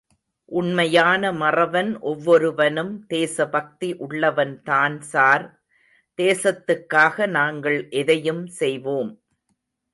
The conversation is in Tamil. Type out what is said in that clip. உண்மையான மறவன் ஒவ்வொருவனும் தேச பக்தி உள்ளவன்தான் சார், தேசத்துக்காக நாங்கள் எதையும் செய்வோம்.